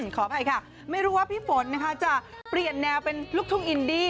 ขออภัยค่ะไม่รู้ว่าพี่ฝนนะคะจะเปลี่ยนแนวเป็นลูกทุ่งอินดี้